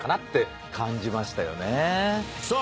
さあ